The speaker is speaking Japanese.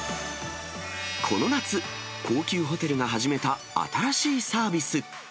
この夏、高級ホテルが始めた新しいサービス。